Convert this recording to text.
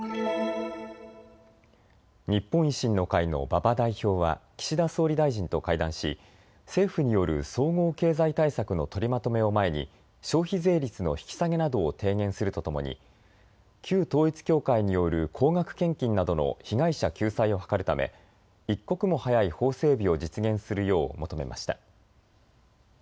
日本維新の会の馬場代表は岸田総理大臣と会談し政府による総合経済対策の取りまとめを前に消費税率の引き下げなどを提言するとともに旧統一教会による高額献金などの被害者救済を図るため一刻も早い法整備を実現するよう求めました。